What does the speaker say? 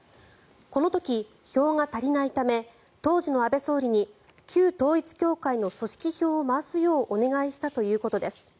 この時、票が足りないため当時の安倍総理に旧統一教会の組織票を回すようお願いしたということです。